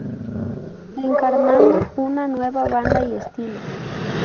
Encarnando una nueva banda y estilo.